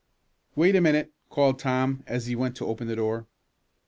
"Wait a minute," called Tom, as he went to open the door.